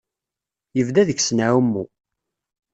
Yebda deg-sen aɛummu.